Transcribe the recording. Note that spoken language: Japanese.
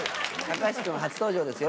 高橋君初登場です